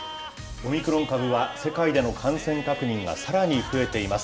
オミクロン株は、世界での感染確認がさらに増えています。